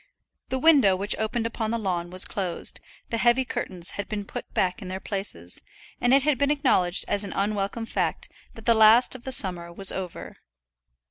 The window which opened upon the lawn was closed, the heavy curtains had been put back in their places, and it had been acknowledged as an unwelcome fact that the last of the summer was over.